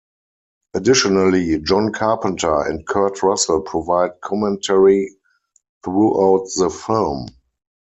Additionally, John Carpenter and Kurt Russell provide commentary throughout the film.